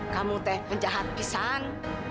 kamu teh penjahat pisang